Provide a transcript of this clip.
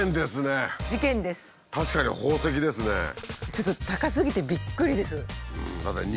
ちょっと高すぎてびっくりです。